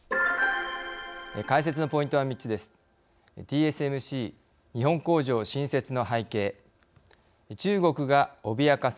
解説のポイントは三つです。